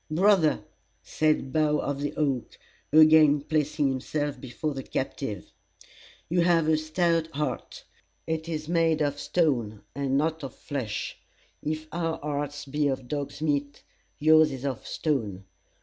"Brother," said Bough of the Oak, again placing himself before the captive, "you have a stout heart. It is made of stone, and not of flesh. If our hearts be of dog's meat, yours is of stone.